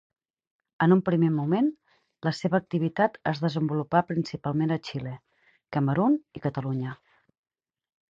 En un primer moment, la seva activitat es desenvolupà principalment a Xile, Camerun i Catalunya.